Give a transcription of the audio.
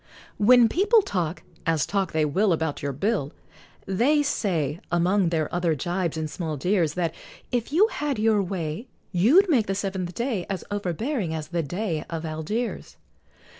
When people talk, as talk they will, About your bill, They say, among their other jibes and small jeers, That, if you had your way, You'd make the seventh day As overbearing as the Dey of Algiers.